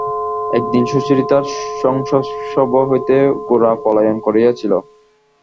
একদিন সুচরিতার সংস্রব হইতে গোরা পলায়ন করিয়াছিল।